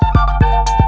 kau mau kemana